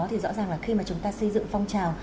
thì rõ ràng là khi mà chúng ta xây dựng phong trào